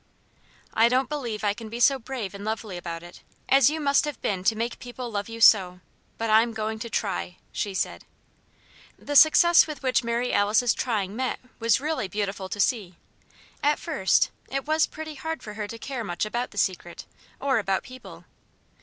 "I don't believe I can be brave and lovely about it, as you must have been to make people love you so. But I'm going to try," she said. The success with which Mary Alice's trying met was really beautiful to see. At first, it was pretty hard for her to care much about the Secret, or about people.